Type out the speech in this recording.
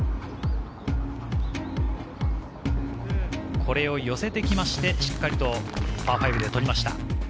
これを寄せてきて、しっかりとパー５をとりました。